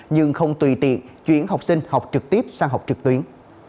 nhưng không tùy tiện chuyển học sinh học trực tiếp sang học trực tuyến